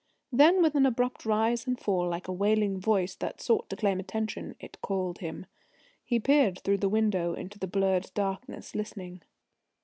Then, with an abrupt rise and fall like a wailing voice that sought to claim attention, it called him. He peered through the window into the blurred darkness, listening.